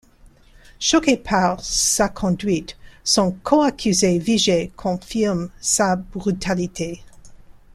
Choqué par sa conduite, son coaccusé Vigée confirme sa brutalité.